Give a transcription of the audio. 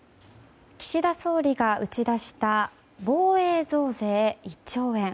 岸田総理が打ち出した防衛増税１兆円。